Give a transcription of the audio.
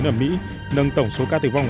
ở mỹ nâng tổng số ca tử vong